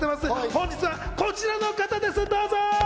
本日はこちらの方です、どうぞ。